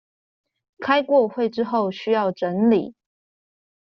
開過會之後需要整理